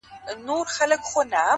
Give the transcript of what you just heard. o زړه طالب کړه د الفت په مدرسه کي,